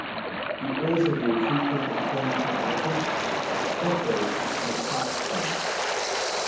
He also gave frequent employment to artists, sculptors and craftsmen.